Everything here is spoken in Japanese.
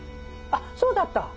あっそうだった！